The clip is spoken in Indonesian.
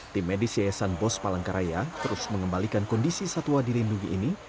tim medis yayasan bos palangkaraya terus mengembalikan kondisi satwa dilindungi ini